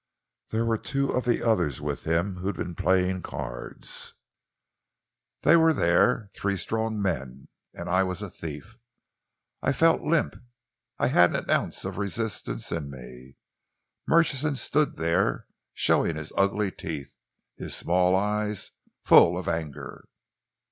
"There were two of the others with him who'd been playing cards. There they were, three strong men, and I was a thief! I felt limp. I hadn't an ounce of resistance in me. Murchison stood there, showing his ugly teeth, his small eyes full of anger.